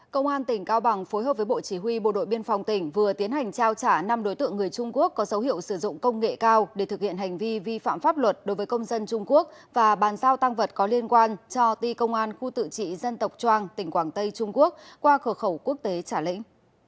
công an tỉnh cao bằng phối hợp với bộ chỉ huy bộ đội biên phòng tỉnh vừa tiến hành trao trả năm đối tượng người trung quốc có dấu hiệu sử dụng công nghệ cao để thực hiện hành vi vi phạm pháp luật đối với công dân trung quốc và bàn giao tăng vật có liên quan cho ti công an khu tự trị dân tộc choang tỉnh quảng tây trung quốc qua cửa khẩu quốc tế trả lĩnh